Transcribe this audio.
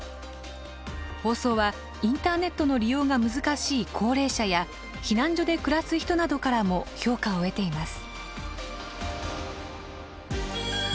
放送はインターネットの利用が難しい高齢者や避難所で暮らす人などからも評価を得ています。